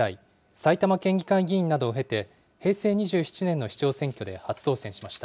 埼玉県議会議員などを経て、平成２７年の市長選挙で初当選しました。